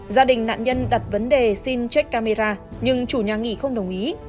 gia đình nạn nhân đặt vấn đề xin trích camera nhưng chủ nhà nghỉ không đồng ý